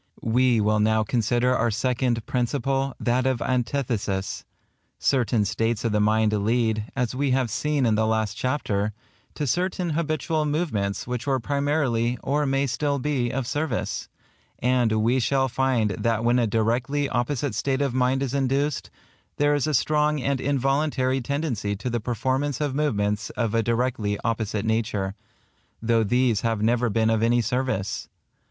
We will now consider our second Principle, that of Antithesis. Certain states of the mind lead, as we have seen in the last chapter, to certain habitual movements which were primarily, or may still be, of service; and we shall find that when a directly opposite state of mind is induced, there is a strong and involuntary tendency to the performance of movements of a directly opposite nature, though these have never been of any service.